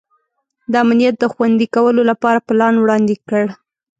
د امنیت د خوندي کولو لپاره پلان وړاندي کړ.